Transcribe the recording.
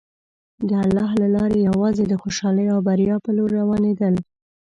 د الله له لارې یوازې د خوشحالۍ او بریا په لور روانېدل.